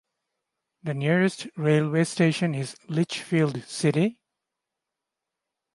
The nearest railway station is Lichfield City.